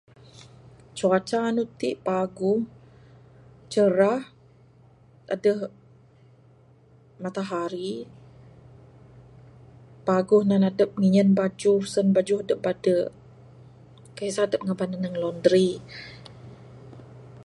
Cuaca andu tik paguh, cerah. Aduh matahari. Paguh nan adup nginyen bajuh san bajuh dup badu'. Kai sah adup ngaban ne ndug laundry.